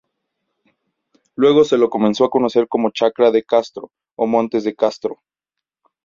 Luego se lo comenzó a conocer como Chacra de Castro o Montes de Castro.